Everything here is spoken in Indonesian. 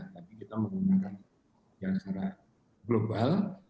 tapi kita menggunakan yang secara global